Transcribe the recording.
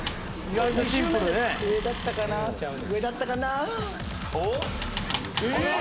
上だったかなえっ？